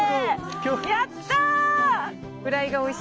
やった！